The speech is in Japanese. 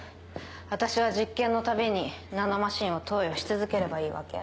私は実験のたびにナノマシンを投与し続ければいいわけ？